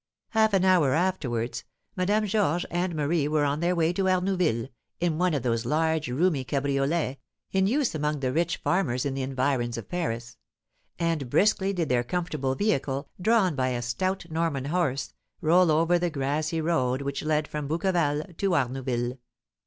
Half an hour afterwards, Madame Georges and Marie were on their way to Arnouville, in one of those large, roomy cabriolets, in use among the rich farmers in the environs of Paris; and briskly did their comfortable vehicle, drawn by a stout Norman horse, roll over the grassy road which led from Bouqueval to Arnouville.